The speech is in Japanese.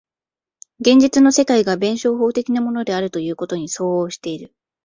現実の世界が弁証法的なものであるということに相応している。